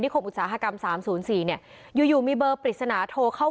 นิคมอุตสาหกรรมสามศูนย์สี่เนี่ยอยู่อยู่มีเบอร์ปริศนาโทรเข้า